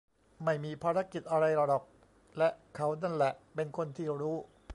ไม่มีภารกิจอะไรหรอก และเขานั่นแหละเป็นคนที่รู้